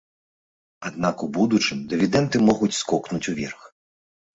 Аднак у будучым дывідэнды могуць скокнуць уверх.